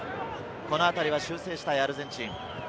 この辺りは修正したい、アルゼンチン。